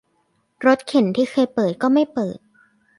รถเข็นที่เคยเปิดก็ไม่เปิด